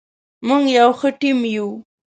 موږ یو ښه ټیم یو.